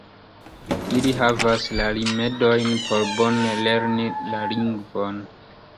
Ili havas la rimedojn por bone lerni la lingvon.